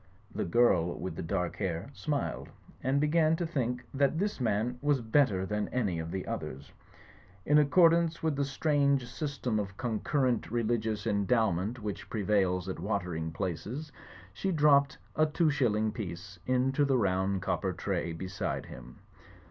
The girl with the dark hair smiled, and began to think that this man was better than any of the others. In accordance with the strange system of concurrent 14 THE FLYING INN religious endowment which prevails at watering places, she dropped a two shilling piece into the round copper tray beside him.